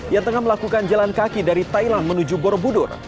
yang tengah melakukan jalan kaki dari thailand menuju borobudur